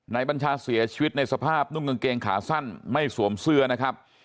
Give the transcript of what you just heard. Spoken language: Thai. บัญชาเสียชีวิตในสภาพนุ่งกางเกงขาสั้นไม่สวมเสื้อนะครับ